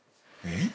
えっ？